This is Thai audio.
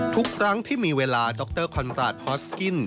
ทุกครั้งที่มีเวลาดรคอนราชฮอสกิน